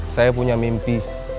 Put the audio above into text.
saya punya mimpi